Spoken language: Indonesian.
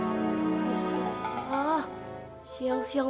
masukin ke bedung